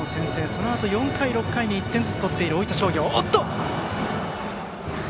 そのあと４回、６回に１点ずつ取っている大分商業。